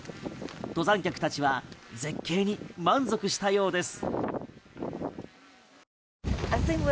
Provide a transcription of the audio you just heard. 登山客たちは絶景に満足したようです。